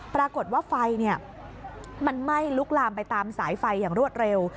ปรากฏว่าไฟมันไหม้ลุกลามไปตามสายไฟอย่างรวดเร็ว